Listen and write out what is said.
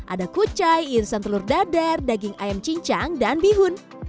ada kucai irisan telur dadar daging ayam cincang dan bihun